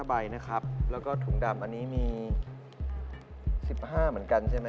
ใบนะครับแล้วก็ถุงดำอันนี้มี๑๕เหมือนกันใช่ไหม